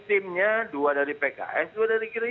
timnya dua dari pks dua dari kiri